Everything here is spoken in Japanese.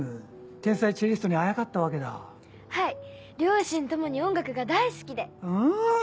天才チェリストにあやかったわけだはい両親ともに音楽が大好きでうん！